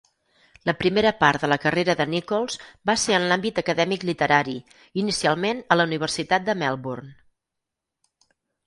La primera part de la carrera de Nicholls va ser en l'àmbit acadèmic literàri, inicialment a la Universitat de Melbourne.